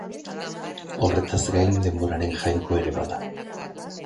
Horretaz gain, denboraren jainkoa ere bada.